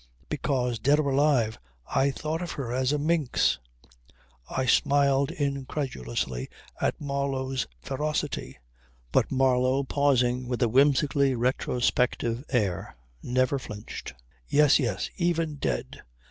Because dead or alive I thought of her as a minx ..." I smiled incredulously at Marlow's ferocity; but Marlow pausing with a whimsically retrospective air, never flinched. "Yes, yes. Even dead.